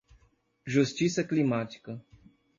Justiça climática